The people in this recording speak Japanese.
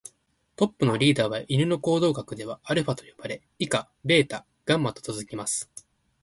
トップのリーダーは犬の行動学ではアルファと呼ばれ、以下ベータ、ガンマと続きます。